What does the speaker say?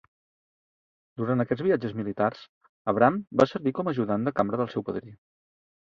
Durant aquests viatges militars, Abram va servir com a ajudant de cambra del seu padrí.